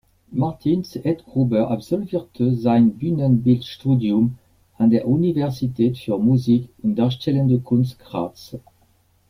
Martin Zehetgruber absolvierte sein Bühnenbild-Studium an der Universität für Musik und darstellende Kunst Graz.